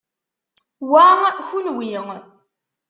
Wa, kenwi.